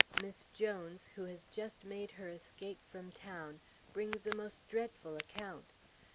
Miss Jones, who has just made her escape from town, brings a most dreadful account.